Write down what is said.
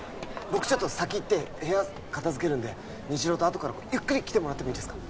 僕ちょっと先行って部屋片づけるんで虹朗とあとからゆっくり来てもらってもいいですか？